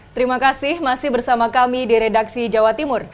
terima kasih masih bersama kami di redaksi jawa timur